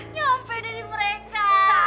nyampe deh di mereka